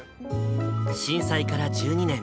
震災から１２年。